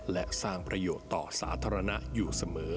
และสร้างประโยชน์ต่อสาธารณะอยู่เสมอ